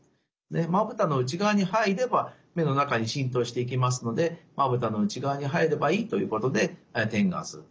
でまぶたの内側に入れば目の中に浸透していきますのでまぶたの内側に入ればいいということで点眼する。